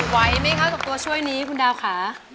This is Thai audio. ไหวไหมคะกับตัวช่วยนี้คุณดาวค่ะ